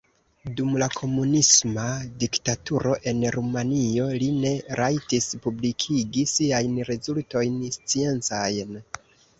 Dum la komunisma diktaturo en Rumanio li ne rajtis publikigi siajn rezultojn sciencajn.